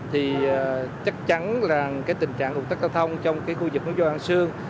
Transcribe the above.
thì chắc chắn là cái tình trạng hụt tắc cao thông trong cái khu vực nút giao an sơn